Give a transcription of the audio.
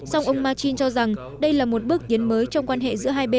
song ông machin cho rằng đây là một bước điến mới trong quan hệ giữa hai bên